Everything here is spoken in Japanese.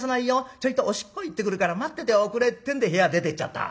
ちょいとおしっこへ行ってくるから待ってておくれ』ってんで部屋出ていっちゃった。